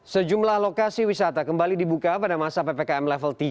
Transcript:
sejumlah lokasi wisata kembali dibuka pada masa ppkm level tiga